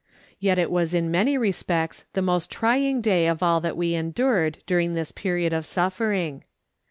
Yet it was in many respects the most trying day of all that we endured during this period of suffering.